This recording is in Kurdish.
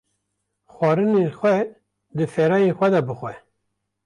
Xwarinên xwe di ferayên xwe de bixwe